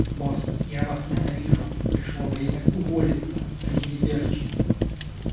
Босс, я вас ненавижу. Пришло время уволиться, аривидерчи!